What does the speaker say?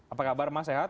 apa kabar mas sehat